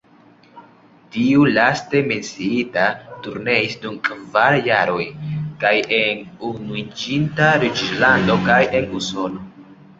Tiu laste menciita turneis dum kvar jaroj, kaj en Unuiĝinta Reĝlando kaj en Usono.